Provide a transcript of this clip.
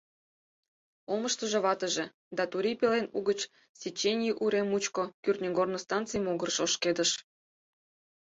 Омыштыжо ватыже да Турий пелен угыч Сеченьи урем мучко кӱртньыгорно станций могырыш ошкедыш.